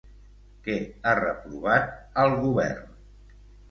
Què ha reprovat al govern?